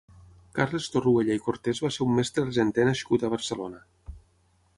Carles Torruella i Cortés va ser un mestre argenter nascut a Barcelona.